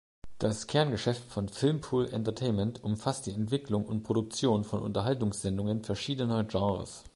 Das Kerngeschäft von Filmpool Entertainment umfasst die Entwicklung und Produktion von Unterhaltungssendungen verschiedener Genres.